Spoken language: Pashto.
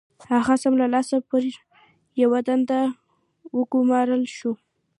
هغه سم له لاسه پر يوه دنده وګومارل شو.